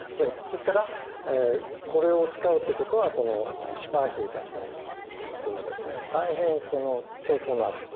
ですからこれを使うってことはこのシパーヒーたちにとってもですね大変抵抗のあることですね。